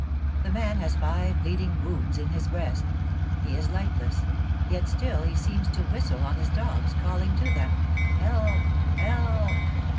The man has five bleeding wounds in his breast. He is lifeless; yet still he seems to whistle on his dogs, calling to them, "Help! help!"